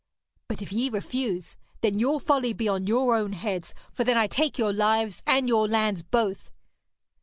But if ye refuse, then your folly be on your own heads, for then I take your lives and your lands both.'